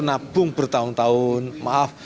nabung bertahun tahun maaf